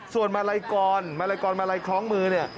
ส่วนมาลัยกรมาลัยกรมาลัยคล้องมือเนี่ย